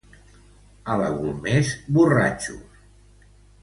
A la Golmés, borratxos.